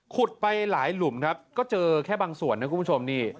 ไปหลายหลุมครับก็เจอแค่บางส่วนนะคุณผู้ชมนี่